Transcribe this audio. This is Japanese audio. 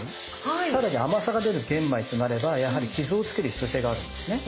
さらに甘さが出る玄米となればやはり傷をつける必要性があるんですね。